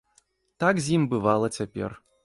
Так з ім бывала цяпер.